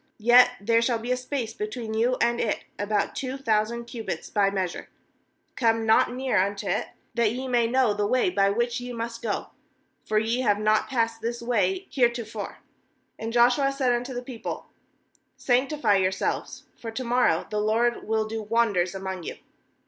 4Yet there snail be a space between you and it, about two thousand cubits by measure; come not near unto it, that ye may know the way by which ye must go; for ye have not passed this way heretofore.' 5And Joshua said unto the people: 'Sanctify yourselves; for to morrow the LORD will do wonders among you.'